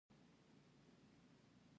موجودیه د اجناسو مستقیم شمیر ته ویل کیږي.